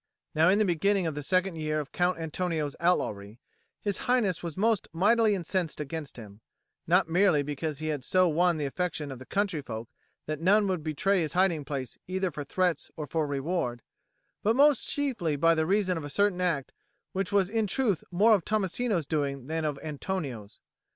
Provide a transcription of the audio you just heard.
Now in the beginning of the second year of Count Antonio's outlawry, His Highness was most mightily incensed against him, not merely because he had so won the affection of the country folk that none would betray his hiding place either for threats or for reward, but most chiefly by reason of a certain act which was in truth more of Tommasino's doing than of Antonio's.